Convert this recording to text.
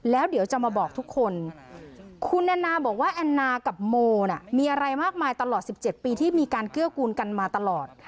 แล้วเดี๋ยวจะมาบอกทุกคนคุณแอนนาบอกว่าแอนนากับโมน่ะมีอะไรมากมายตลอด๑๗ปีที่มีการเกื้อกูลกันมาตลอด